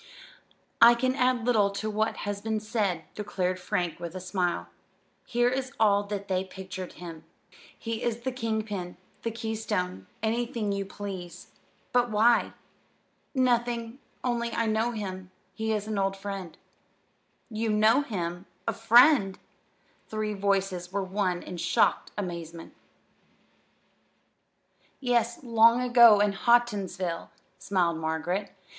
"I can add little to what has been said," declared Frank with a smile. "He is all that they pictured him. He is the king pin, the keystone anything you please. But, why?" "Nothing, only I know him. He is an old friend." "You know him! a friend!" The three voices were one in shocked amazement. "Yes, long ago in Houghtonsville," smiled Margaret.